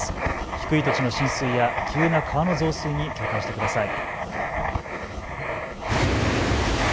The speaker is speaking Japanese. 低い土地の浸水や急な川の増水に警戒してください。